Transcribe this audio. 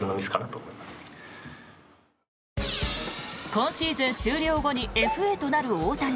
今シーズン終了後にＦＡとなる大谷。